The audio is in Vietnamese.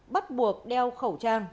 bắt buộc đeo khẩu trang